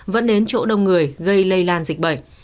vẫn đến chỗ đông người gây lây lan dịch bệnh